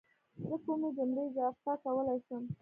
زه کومې جملې اضافه کولای شم